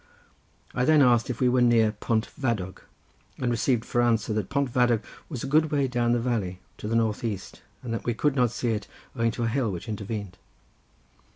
I then asked if we were near Pont Fadog; and received for answer that Pont Fadog was a good way down the valley, to the north east, and that we could not see it owing to a hill which intervened.